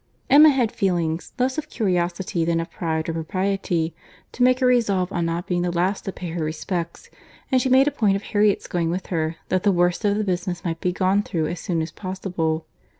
Emma had feelings, less of curiosity than of pride or propriety, to make her resolve on not being the last to pay her respects; and she made a point of Harriet's going with her, that the worst of the business might be gone through as soon as possible.